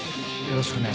よろしくな。